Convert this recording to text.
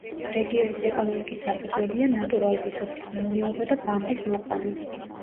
რეგიონის ეკონომიკის საფუძველია ნატურალური სოფლის მეურნეობა და ბამბის მოყვანა.